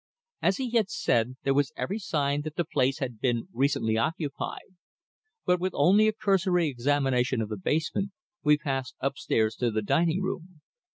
As he had said, there was every sign that the place had been recently occupied, but with only a cursory examination of the basement we passed upstairs to the dining room.